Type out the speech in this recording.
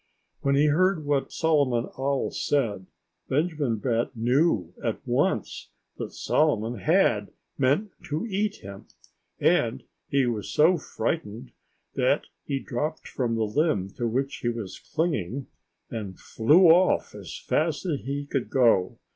When he heard what Solomon Owl said, Benjamin Bat knew at once that Solomon had meant to eat him. And he was so frightened that he dropped from the limb to which he was clinging and flew off as fast as he could go.